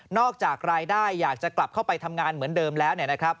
จากรายได้อยากจะกลับเข้าไปทำงานเหมือนเดิมแล้ว